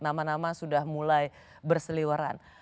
nama nama sudah mulai berseliwaran